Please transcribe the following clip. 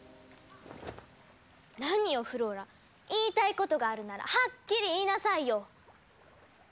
何よフローラ言いたいことがあるならはっきり言いなさいよ。